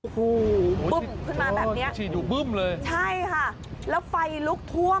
ปุ้มขึ้นมาแบบนี้ใช่ค่ะแล้วไฟลุกทุกอย่างนั้นนะครับ